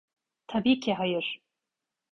Tabi ki hayır.